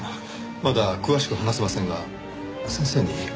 まだ詳しく話せませんが先生にお話が。